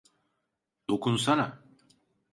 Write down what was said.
Dokunsana.